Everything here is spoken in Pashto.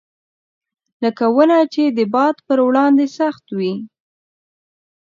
لکه ونه چې د باد پر وړاندې سخت وي.